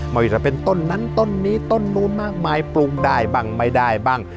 ไม่ว่าจะเป็นต้นนั้นต้นนี้ต้นนู้นมากมายปรุงได้บ้างไม่ได้บ้าง